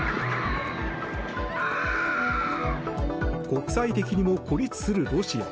国際的にも孤立するロシア。